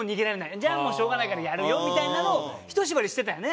じゃあもうしょうがないからやるよみたいなのをひと縛りしてたよね。